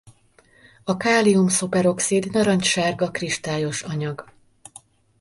A kálium-szuperoxid narancssárga kristályos anyag.